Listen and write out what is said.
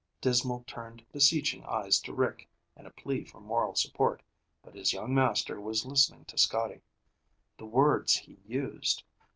Dismal turned beseeching eyes to Rick in a plea for moral support, but his young master was listening to Scotty. "The words he used.